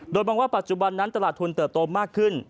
โดยมองว่าปัจจุบันนั้นตลาดทุนเติบโตมากขึ้น